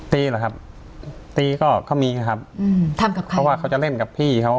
หรือครับตีก็เขามีไงครับอืมทำกับเขาเพราะว่าเขาจะเล่นกับพี่เขา